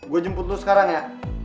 gue jemput tuh sekarang ya